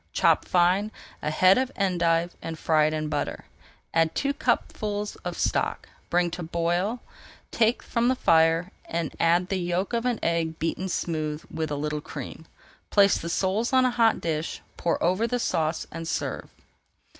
Chop fine a head of endive and fry it in butter. Add two cupfuls of stock, bring to the boil, take from the fire, and add the yolk of an egg beaten smooth with a little cream. Place the soles on a hot dish, pour over the sauce, and serve.